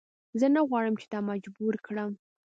زه نه غواړم چې تا مجبور کړم.